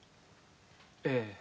ええ。